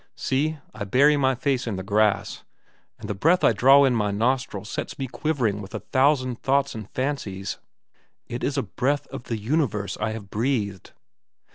See, I bury my face in the grass, and the breath I draw in through my nostrils sets me quivering with a thousand thoughts and fancies. It is a breath of the universe I have breathed.